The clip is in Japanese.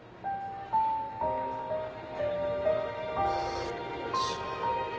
あっちゃー